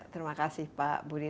terima kasih pak budi